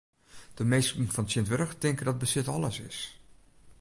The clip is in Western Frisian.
De minsken fan tsjintwurdich tinke dat besit alles is.